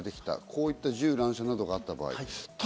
こういった銃乱射などがあった場合。